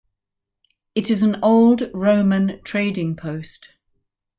It is an old Roman trading post.